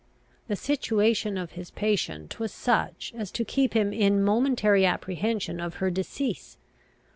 The situation of his patient was such, as to keep him in momentary apprehension of her decease.